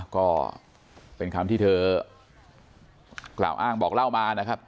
ก็เป็นคำที่เธอกล่าวอ้างบอกเล่ามานะครับ